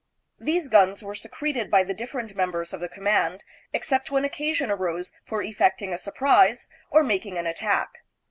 These guns were secreted by the different members of the command, except when occasion arose for effecting a surprise or making an attack.